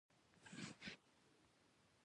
د جبهې په اړه په هېڅ شي نه یم خبر.